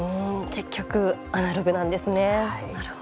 結局アナログなんですね。